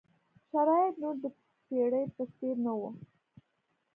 شرایط نور د پېړۍ په څېر نه وو.